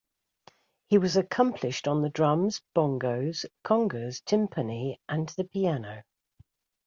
He was accomplished on the drums, bongos, congas, timpani, and the piano.